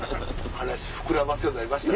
話膨らますようになりましたね。